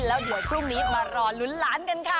แล้วเดี๋ยวพรุ่งนี้มารอลุ้นล้านกันค่ะ